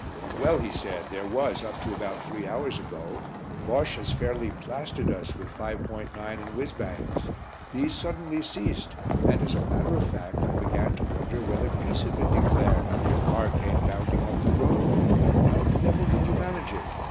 "Well," he said, "there was up to about three hours ago; Bosche has fairly plastered us with 5.9 and whizz bangs. These suddenly ceased, and, as a matter of fact, I began to wonder whether peace had been declared when your car came bounding up the road. How the devil did you manage it?